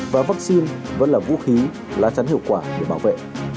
và vaccine vẫn là vũ khí lá chắn hiệu quả để bảo vệ